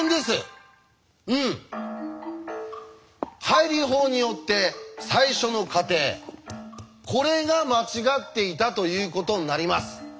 背理法によって最初の仮定これが間違っていたということになります。